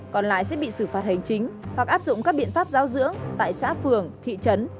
còn lại sẽ bị xử phạt hành chính hoặc áp dụng các biện pháp giáo dưỡng tại xã phường thị trấn